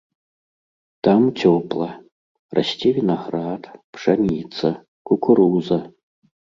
Там цёпла, расце вінаград, пшаніца, кукуруза.